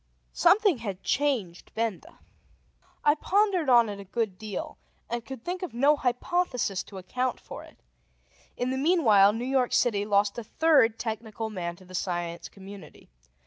Something had changed Benda. I pondered on it a good deal, and could think of no hypothesis to account for it. In the meanwhile, New York City lost a third technical man to the Science Community.